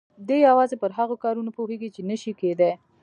دی يوازې پر هغو کارونو پوهېږي چې نه شي کېدای.